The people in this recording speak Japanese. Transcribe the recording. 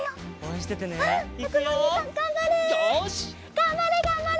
がんばれがんばれ！